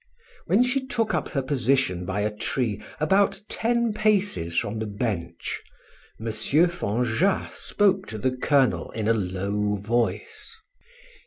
When she took up her position by a tree about ten paces from the bench, M. Fanjat spoke to the colonel in a low voice.